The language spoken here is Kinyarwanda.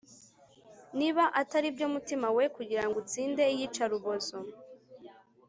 Niba atari byo mutima we kugira ngo utsinde iyicarubozo